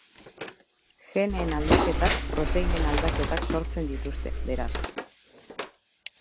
Geneen aldaketak proteinen aldaketak sortzen dituzte, beraz.